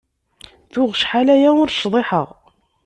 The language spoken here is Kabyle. Tuɣ acḥal-aya ur cḍiḥeɣ.